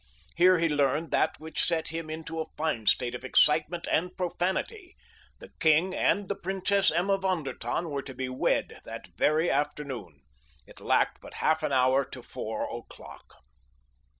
Here he learned that which set him into a fine state of excitement and profanity. The king and the Princess Emma von der Tann were to be wed that very afternoon! It lacked but half an hour to four o'clock.